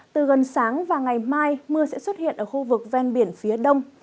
từ gần sáng và ngày mai mưa sẽ xuất hiện ở khu vực ven biển phía đông